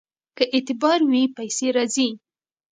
که اعتبار وي پیسې راځي.